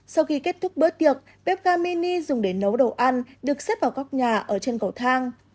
sau khi kết thúc bữa tiệc bếp ga mini dùng để nấu đồ ăn được xếp vào góc nhà ở trên cầu thang